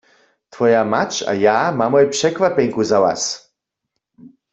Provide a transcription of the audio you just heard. Twoja mać a ja mamoj překwapjenku za was.